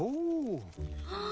はあ。